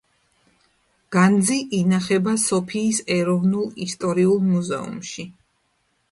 განძი ინახება სოფიის ეროვნულ ისტორიულ მუზეუმში.